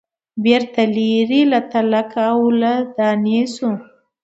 بیرته لیري له تلک او له دانې سو